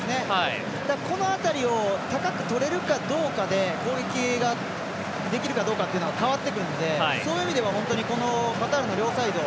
この辺りを高く取れるかどうかで攻撃ができるかどうかというのは変わってくるのでそういう意味ではカタールの両サイド